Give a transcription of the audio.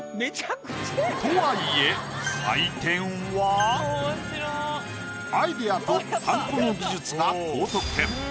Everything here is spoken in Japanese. とはいえ採点はアイデアとはんこの技術が高得点。